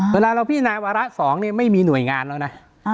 เวลาเราพิจารณาวาระ๒ไม่มีหน่วยงานแล้วนะ